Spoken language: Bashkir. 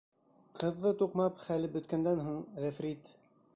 Ҡыҙҙы туҡмап хәле бөткәндән һуң, ғифрит: